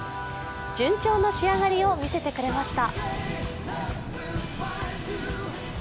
順調な仕上がりを見せてくれました。